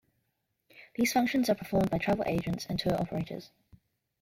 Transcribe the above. These functions are performed by Travel Agents and Tour operators.